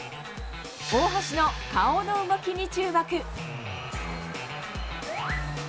大橋の顔の動きに注目。